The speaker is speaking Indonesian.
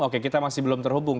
oke kita masih belum terhubung